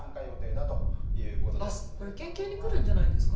あっこれ県警に来るんじゃないですか？